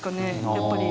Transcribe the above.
やっぱり。